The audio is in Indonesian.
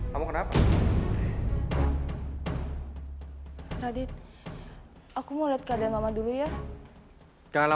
sayang rupanya rakyat aku gak ada maksud apa apa